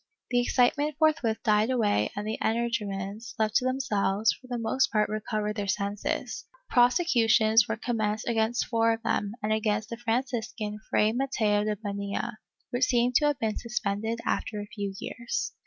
The excitement forthwith died away and the energumens, left to themselves, for the most part recovered their senses. Prosecutions were commenced against four of them and against the Franciscan Fray Mateo de Bonilla, which seem to have been suspended after a few years.